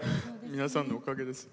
皆さんのおかげです。